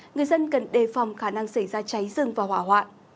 người dân cần đề phòng khả năng xảy ra cháy rừng và hỏa hoạn